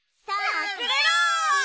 かくれろ！